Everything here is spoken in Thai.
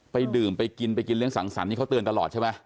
ไปดื่มไปกินไปกินเลี้ยสังสรรค์นี่เขาเตือนตลอดใช่ไหม